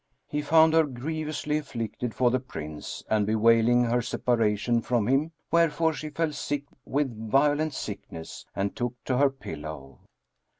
He found her grievously afflicted for the Prince and bewailing her separation from him; wherefore she fell sick with violent sickness and took to her pillow.